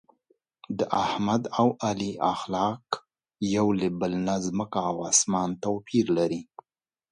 د احمد او علي اخلاق یو له بل نه ځمکه او اسمان توپیر لري.